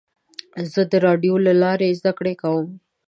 زه د راډیو له لارې زده کړه کوم.